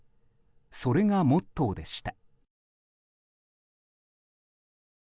それがモットーでした。